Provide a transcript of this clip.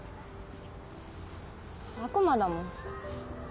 悪魔だもん。